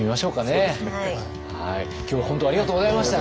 今日は本当ありがとうございました。